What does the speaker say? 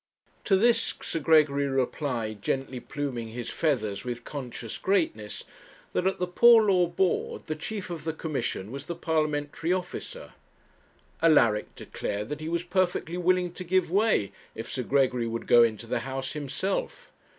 To this Sir Gregory replied, gently pluming his feathers with conscious greatness, that at the Poor Law Board the chief of the Commission was the Parliamentary officer. Alaric declared that he was perfectly willing to give way if Sir Gregory would go into the House himself.